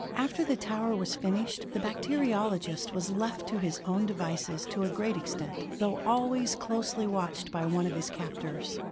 After the tower was finished, the bacteriologist was left to his own devices to a great extent, though always closely watched by one of his captors.